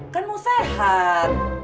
kan mau sehat